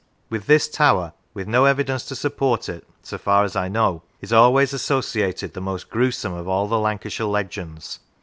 With this tower, with no evidence to support it, so far as I know, is always associated the most gruesome of all the Lancashire legends.